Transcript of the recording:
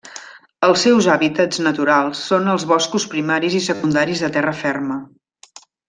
Els seus hàbitats naturals són els boscos primaris i secundaris de terra ferma.